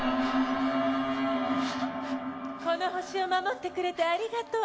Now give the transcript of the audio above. この星を守ってくれてありがとう。